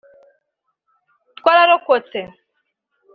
twararokotse